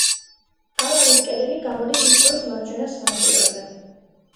გალავნის კედელი გამოდის მტკვრის მარჯვენა სანაპიროზე.